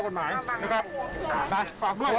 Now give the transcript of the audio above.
ขอบคุณครับขอบคุณครับ